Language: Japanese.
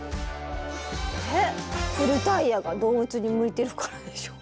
えっ古タイヤが動物に向いてるからでしょ。